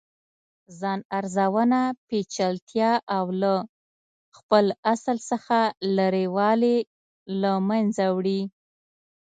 ځان ارزونه پیچلتیا او له خپل اصل څخه لرې والې له منځه وړي.